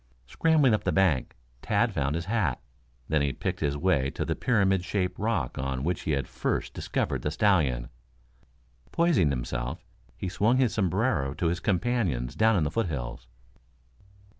Scrambling up the bank, Tad found his hat. Then he picked his way to the pyramid shaped rock on which he had first discovered the stallion. Poising himself, he swung his sombrero to his companions down in the foothills.